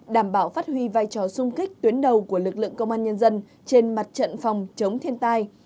đảm bảo phát huy vai trò sung kích tuyến đầu của lực lượng công an nhân dân trên mặt trận phòng chống thiên tai